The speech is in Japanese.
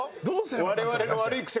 我々の悪い癖。